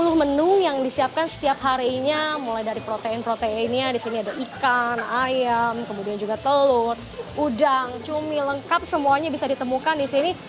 disini juga bisa disiapkan setiap harinya mulai dari protein proteinnya disini ada ikan ayam kemudian juga telur udang cumi lengkap semuanya bisa ditemukan disini